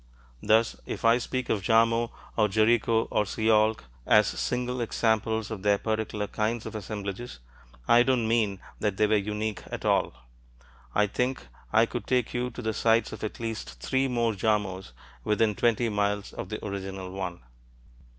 Thus, if I speak of Jarmo, or Jericho, or Sialk as single examples of their particular kinds of assemblages, I don't mean that they were unique at all. I think I could take you to the sites of at least three more Jarmos, within twenty miles of the original one.